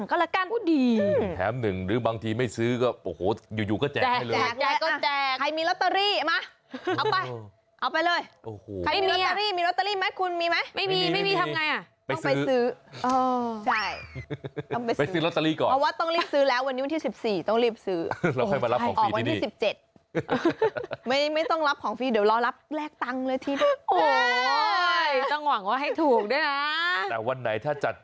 โอ้โฮน่ารักนะนะ